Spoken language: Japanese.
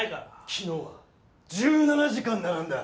昨日は１７時間並んだ。